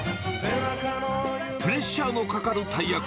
プレッシャーのかかる大役。